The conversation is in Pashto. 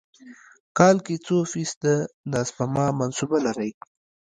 کال کې څو فیص ده د سپما منصوبه لرئ؟